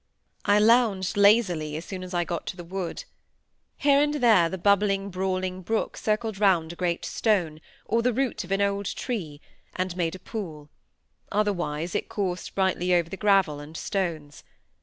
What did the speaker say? I lounged lazily as soon as I got to the wood. Here and there the bubbling, brawling brook circled round a great stone, or a root of an old tree, and made a pool; otherwise it coursed brightly over the gravel and stones.